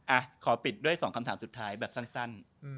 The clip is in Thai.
อ่ะขอปิดด้วย๒คำถามสุดท้ายแบบสั้น